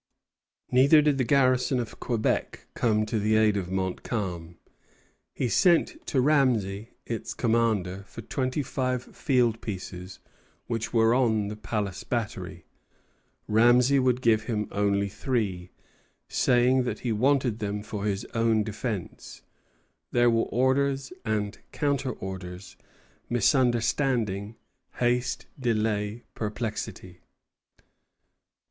Neither did the garrison of Quebec come to the aid of Montcalm. He sent to Ramesay, its commander, for twenty five field pieces which were on the Palace battery. Ramesay would give him only three, saying that he wanted them for his own defence. There were orders and counter orders; misunderstanding, haste, delay, perplexity.